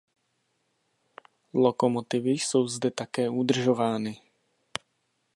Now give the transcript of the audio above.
Lokomotivy jsou zde také udržovány.